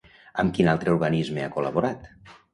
Amb quin altre organisme ha col·laborat?